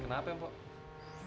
belajar yang baik ya john ya